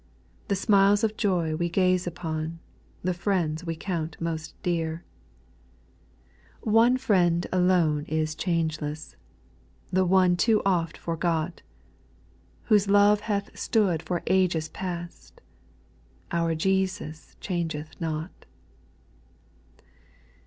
The smiles of joy we gaze upon, The friends we count moat de«t •. SPIRITUAL SONGS. 169 One Friend alone is changeless, The One too oft forgot, Whose love hath stood for ages past,— Our Jesus changeth not.